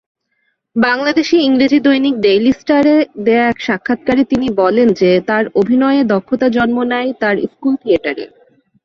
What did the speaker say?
বাংলাদেশী ইংরেজি দৈনিক ডেইলি স্টার-এ দেয়া এক সাক্ষাৎকারে তিনি বলেন যে তার অভিনয়ে দক্ষতা জন্ম নেয় তার স্কুল থিয়েটারে।